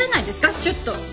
シュッと。